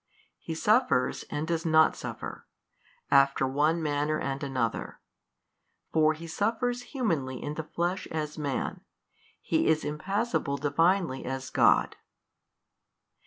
He suffers and does not suffer 40, after one manner and another: for He |229 suffers humanly in the Flesh as Man, He is impassible Divinely as God.